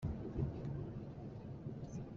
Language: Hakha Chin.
Vuanthok bawi nih thing hau lonak nawlbia a chuah.